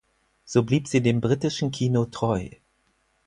So blieb sie dem britischen Kino treu.